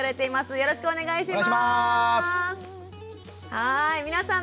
よろしくお願いします。